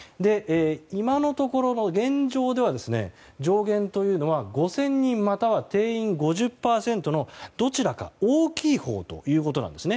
今のところの現状では上限というのは５０００人または定員５０％のどちらか大きいほうということなんですね。